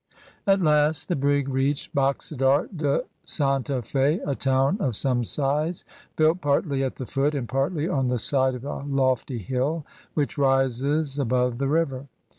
At last the brig reached Baxadar de Santa Fe, a town of some size, built partly at the foot and partly on the side of a lofty hill, which rises above the river.